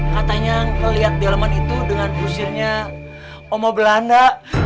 katanya melihat delman itu dengan fusilnya oma belanda